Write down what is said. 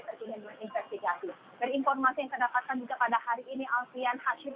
terkini yang diinvestigasi dari informasi yang terdapatkan juga pada hari ini alfian hashim